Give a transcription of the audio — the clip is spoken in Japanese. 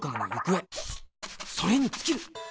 それに尽きる。